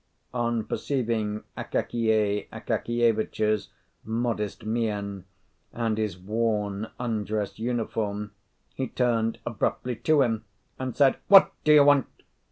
On perceiving Akakiy Akakievitch's modest mien and his worn undress uniform, he turned abruptly to him and said, "What do you want?"